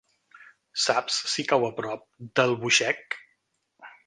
Saps si cau a prop d'Albuixec?